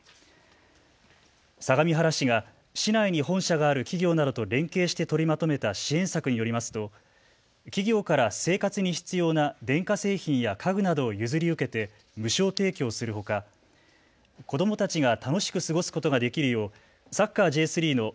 相模原市が市内に本社がある企業などと連携して取りまとめた支援策によりますと企業から生活に必要な電化製品や家具などを譲り受けて無償提供するほか子どもたちが楽しく過ごすことができるようサッカーＪ３のＳＣ